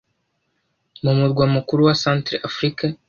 Mu murwa mukuru wa centre afurika